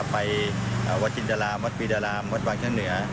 ไปวัดจินตราวัดปีตราวัดวันข้างเหนือ